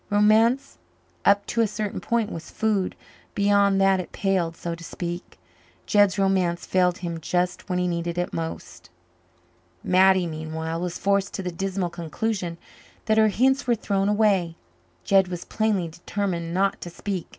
Romance up to a certain point was food; beyond that it palled, so to speak. Jed's romance failed him just when he needed it most. Mattie, meanwhile, was forced to the dismal conclusion that her hints were thrown away. Jed was plainly determined not to speak.